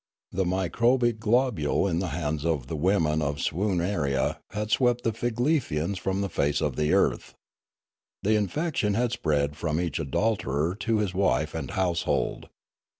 The microbic globule in the hands of the women of Swoon arie had swept the Figlefians from the face of the earth. The infection had spread from each adulterer to his wife and household.